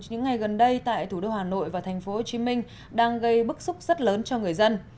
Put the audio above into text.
những ngày gần đây tại thủ đô hà nội và thành phố hồ chí minh đang gây bức xúc rất lớn cho người dân